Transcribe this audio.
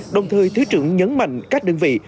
đồng thời thứ trưởng nhấn mạnh các đơn vị